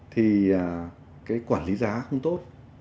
thì cái quản lý giá không tốt